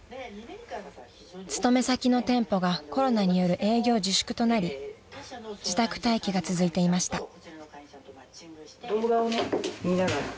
［勤め先の店舗がコロナによる営業自粛となり自宅待機が続いていました］